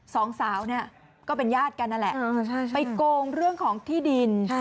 สองสาวเนี่ยก็เป็นญาติกันนั่นแหละไปโกงเรื่องของที่ดิน